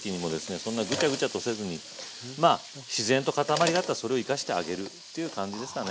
そんなグチャグチャとせずにまあ自然と塊があったらそれを生かしてあげるっていう感じですかね。